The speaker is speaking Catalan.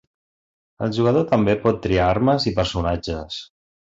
El jugador també pot triar armes i personatges.